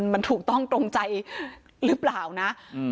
มันถูกต้องตรงใจหรือเปล่านะ